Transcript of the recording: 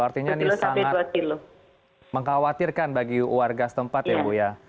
artinya ini sangat mengkhawatirkan bagi warga setempat ya bu ya